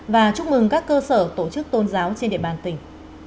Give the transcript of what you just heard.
và chúc mừng các cơ sở tổ chức tôn giáo trên địa bàn tỉnh